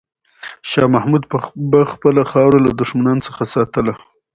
شاه محمود به خپله خاوره له دښمنانو څخه ساتله.